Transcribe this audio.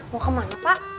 mau ke mana pak